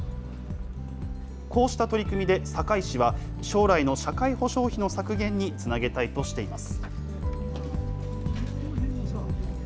こうした取り組みで堺市は、将来の社会保障費の削減につなげたいとしています。